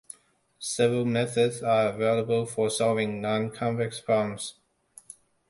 Several methods are available for solving nonconvex problems.